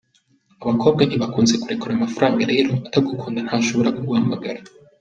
Abakobwa ntibakunze kurekura amafaranga rero atagukunda ntashobora kuguhamagara.